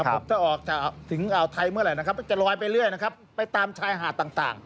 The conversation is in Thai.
ครับจะออกถึงอ่าวไทยเมื่อไหร่จะลอยไปเรื่อยไปตามชายหาดต่าง